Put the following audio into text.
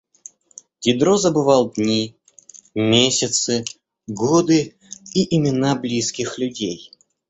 Дидро забывал дни, месяцы, годы и имена близких людей.